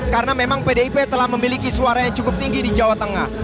karena memang pdip telah memiliki suara yang cukup tinggi di jawa tengah